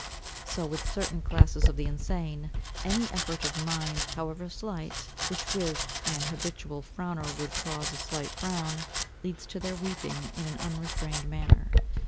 So with certain classes of the insane, any effort of mind, however slight, which with an habitual frowner would cause a slight frown, leads to their weeping in an unrestrained manner.